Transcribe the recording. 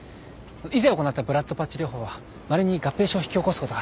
以前行ったブラッドパッチ療法はまれに合併症を引き起こすことがあるので。